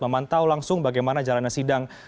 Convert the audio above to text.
memantau langsung bagaimana jalannya sidang